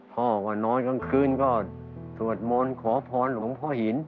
พ่อวันน้อยกลางคืนก็สวดมนต์ขอพรของพ่อหิน